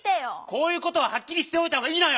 こういうことははっきりしておいたほうがいいのよ！